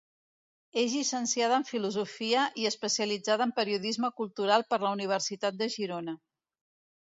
És llicenciada en Filosofia i especialitzada en Periodisme Cultural per la Universitat de Girona.